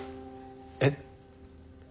えっ？